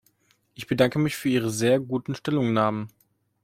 Ich bedanke mich für ihre sehr guten Stellungnahmen.